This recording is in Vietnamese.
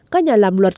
các nhà làm luật